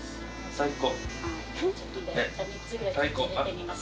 最高。